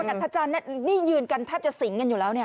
คนอัฐจารย์นี่ยืนกันท่าจะสิ่งกันอยู่แล้วเนี่ย